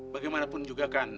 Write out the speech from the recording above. bagaimanapun juga kan